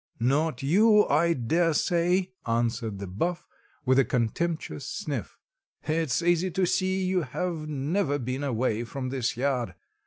"Not you, I daresay," answered the Buff with a contemptuous sniff. "It's easy to see you have never been away from this yard.